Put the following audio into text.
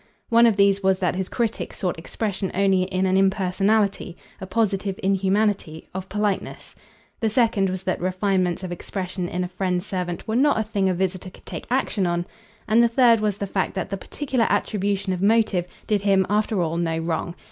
One of these was that his critic sought expression only in an impersonality, a positive inhumanity, of politeness; the second was that refinements of expression in a friend's servant were not a thing a visitor could take action on; and the third was the fact that the particular attribution of motive did him after all no wrong.